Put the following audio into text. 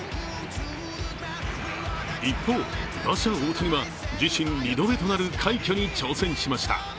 一方、打者・大谷は自身２度目となる快挙に挑戦しました。